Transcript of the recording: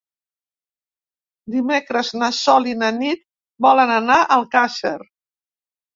Dimecres na Sol i na Nit volen anar a Alcàsser.